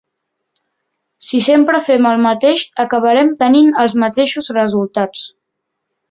Si sempre fem el mateix, acabarem tenint els mateixos resultats.